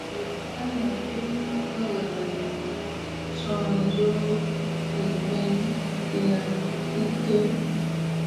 M̀bə ò yuʼù ànnù yìi mə à ghɨ̀rə ǹnǒŋ ɨtû jo ɨ bɨɨnə̀ ǹtəə.